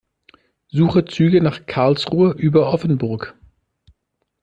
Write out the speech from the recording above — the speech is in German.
Suche Züge nach Karlsruhe über Offenburg.